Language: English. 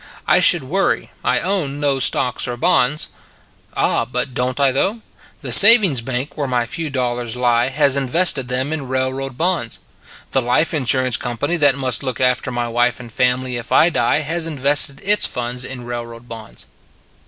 I should worry: I own no stocks or bonds. Ah, but don t I, though? The savings bank where my few dollars lie has invested them in railroad bonds; the life insurance company that must look after my wife and family if I die has invested its funds in railroad bonds.